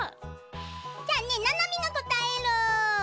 じゃあねななみもこたえる。